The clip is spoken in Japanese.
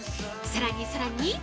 さらにさらに。